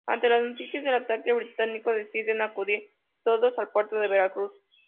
Ante las noticias del ataque británico, deciden acudir todos al puerto de Veracruz.